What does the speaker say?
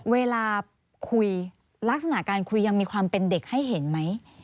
เวลาคุยลักษณะการคุยยังมีความเป็นเด็กให้เห็นไหม